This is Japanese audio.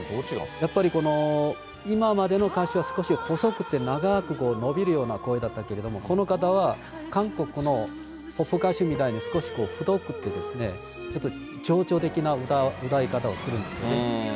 やっぱりこの、今までの歌手は少し細くて長く伸びるような声だったけれども、この方は、韓国のポップ歌手みたいに少し太くて、ちょっと情緒的な歌い方をするんですね。